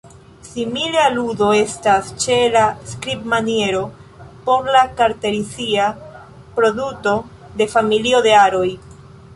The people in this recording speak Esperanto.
Simile aludo estas ĉe la skribmaniero por la kartezia produto de familio de aroj.